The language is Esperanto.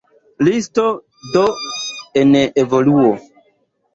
Listo, do, en evoluo.